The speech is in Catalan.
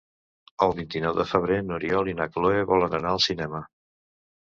El vint-i-nou de febrer n'Oriol i na Cloè volen anar al cinema.